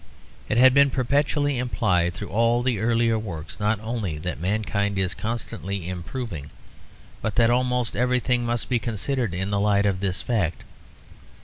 It had been perpetually implied through all the earlier works not only that mankind is constantly improving, but that almost everything must be considered in the light of this fact.